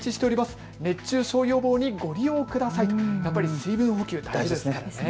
やっぱり水分補給、大事ですね。